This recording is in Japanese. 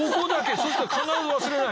そうしたら必ず忘れない。